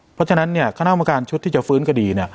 เพราะฉะนั้นคณะกรรมการชุดที่จะฟื้นคดี